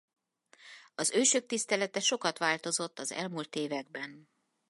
Az ősök tisztelete sokat változott az elmúlt években.